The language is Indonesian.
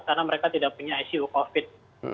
karena mereka tidak punya icu covid